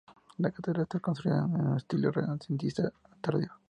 La Catedral está construida en estilo renacentista tardío.